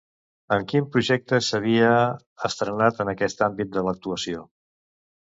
Amb quin projecte s'havia estrenat en aquest àmbit de l'actuació?